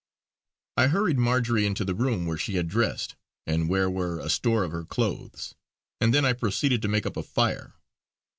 I hurried Marjory into the room where she had dressed, and where were a store of her clothes; and then I proceeded to make up a fire.